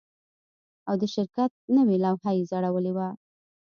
او د شرکت نوې لوحه یې ځړولې وه